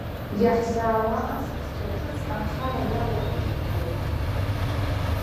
Иаҳзаауа асасцәа ҿыц анхара иалагеит рҳәоит.